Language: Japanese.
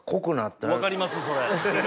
分かりますそれ。